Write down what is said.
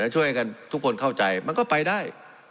ช่วยกันทุกคนเข้าใจมันก็ไปได้